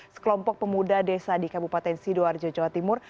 sekelompok pemuda desa di kabupaten sidoarjo jawa timur